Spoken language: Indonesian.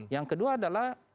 yang kedua adalah